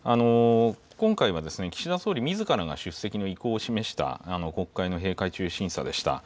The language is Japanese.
今回は岸田総理大臣みずからが出席の意向を示した国会の閉会中審査でした。